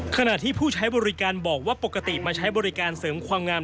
ขณะที่ผู้ใช้บริการบอกว่าปกติมาใช้บริการเสริมความงาม